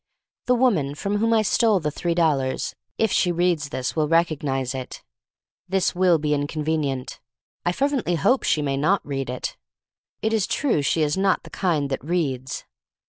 The woman from whom I stole the three dollars, if she reads this, will rec ognize it. This will be inconvenient. I fervently hope she may not read it. It is true she is not of the kind that reads.